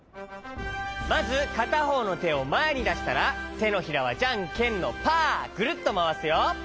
まずかたほうのてをまえにだしたらてのひらはじゃんけんのパーぐるっとまわすよ。